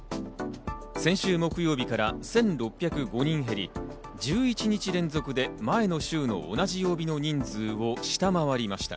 先週木曜日から１６０５人減り、１１日連続で前の週の同じ曜日の人数を下回りました。